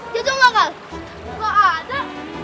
jatoh gak kal gak ada